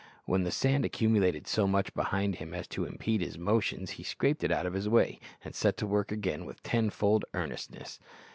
When the sand accumulated so much behind him as to impede his motions he scraped it out of his way, and set to work again with tenfold earnestness.